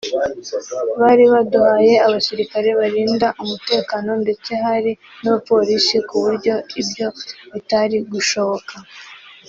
bari baduhaye abasirikare barinda umutekano ndetse hari n’abapolisi ku buryo ibyo bitari gushoboka